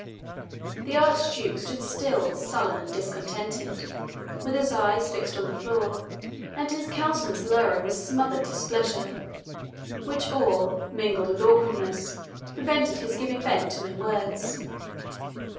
The Archduke stood still, sullen and discontented, with his eyes fixed on the floor, and his countenance lowering with smothered displeasure, which awe, mingled with awkwardness, prevented his giving vent to in words.